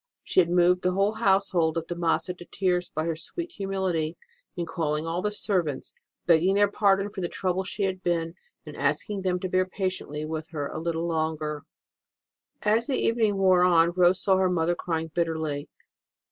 She had moved the whole household of De Massa to tears by her sweet humility in calling all the servants, begging their pardon for the trouble she had given, and asking them to bear patiently with her a little longer. As the evening wore on, Rose saw her mother crying bitterly.